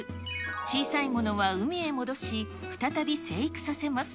小さいものは海へ戻し、再び成育させます。